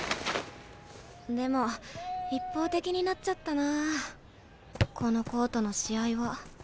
でも一方的になっちゃったなこのコートの試合は。